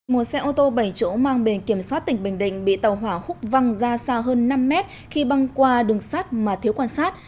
một xe ô tô bảy chỗ mang bền kiểm soát tỉnh bình định bị tàu hỏa húc văng ra xa hơn năm mét khi băng qua đường sắt mà thiếu quan sát